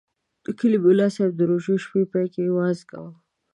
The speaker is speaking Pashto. د کلي ملاصاحب د روژې شپو پای کې وعظ شروع کاوه.